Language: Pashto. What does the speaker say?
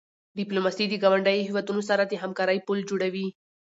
ډیپلوماسي د ګاونډیو هېوادونو سره د همکاری پل جوړوي.